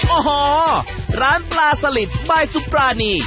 โอ้โหร้านปลาสลิดบายสุปรานี